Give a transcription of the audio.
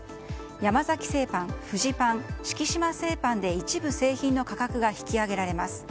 山崎製パン、フジパン敷島製パンで一部製品の価格が引き上げられます。